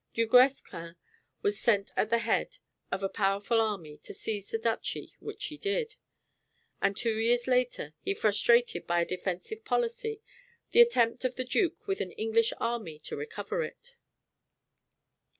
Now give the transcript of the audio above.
Du Guesclin was sent at the head of a powerful army to seize the duchy, which he did; and two years later he frustrated, by a defensive policy, the attempt of the duke with an English army to recover it.